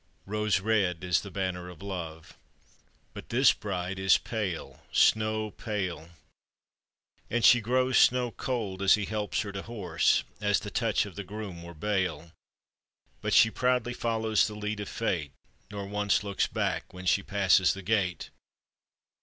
Hose red is the banner of love, But this bride is pale, snow pale, And she grows snow cold as he helps her to horse, As the touch of the groom were bale; But she proudly follows the lead of fate, Nor once looks back when she passes the gate.